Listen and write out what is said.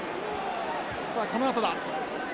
さあこのあとだ。